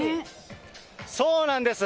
そうなんです。